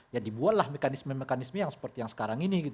ya dibuatlah mekanisme mekanisme yang seperti yang sekarang ini